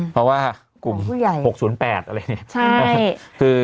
เพราะว่ากลุ่ม๖๐๘อะไรเนี่ย